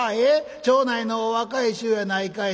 町内の若い衆やないかいな。